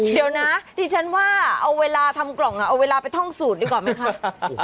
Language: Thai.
เดี๋ยวนะดิฉันว่าเอาเวลาทำกล่องเอาเวลาไปท่องสูตรดีกว่าไหมคะ